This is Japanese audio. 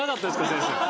先生。